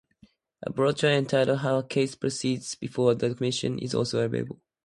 A brochure, entitled "How a Case Proceeds Before the Commission" is also available.